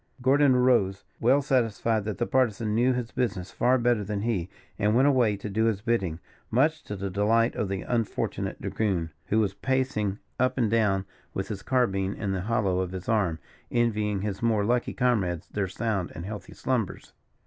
Gordon arose, well satisfied that the Partisan knew his business far better than he, and went away to do his bidding, much to the delight of the unfortunate dragoon, who was pacing up and down with his carbine in the hollow of his arm, envying his more lucky comrades their sound and healthy slumbers.